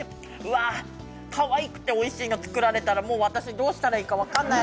かわいくておいしいの作られたら、もう私どうしたらいいか分かんない。